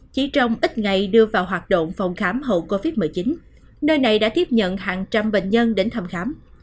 chỉ trong ít ngày đưa vào hoạt động phòng khám hậu covid một mươi chín nơi này đã tiếp nhận hàng trăm bệnh nhân đến thăm khám